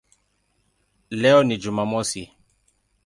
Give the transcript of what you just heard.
Leo ni Jumamosi".